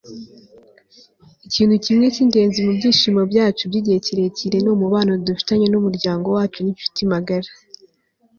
ikintu kimwe cy'ingenzi mu byishimo byacu by'igihe kirekire ni umubano dufitanye n'umuryango wacu n'inshuti magara. - clayton m. christensen